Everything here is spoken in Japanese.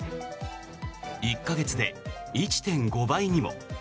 １か月で１．５倍にも。